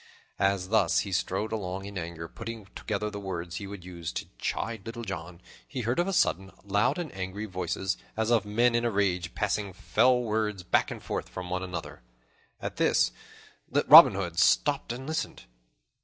As thus he strode along in anger, putting together the words he would use to chide Little John, he heard, of a sudden, loud and angry voices, as of men in a rage, passing fell words back and forth from one to the other. At this, Robin Hood stopped and listened.